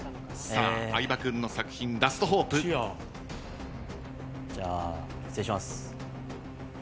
相葉君の作品『ラストホープ』じゃあ失礼します。